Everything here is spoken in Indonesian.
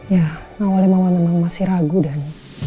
ya awalnya mama memang masih ragu dan